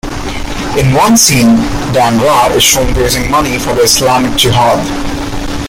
In one scene, Damrah is shown raising money for Islamic Jihad.